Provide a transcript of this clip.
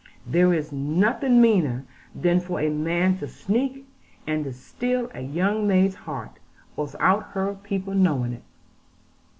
There is nothing meaner than for a man to sneak, and steal a young maid's heart, without her people knowing it.'